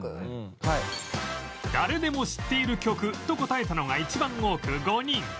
誰でも知っている曲と答えたのが一番多く５人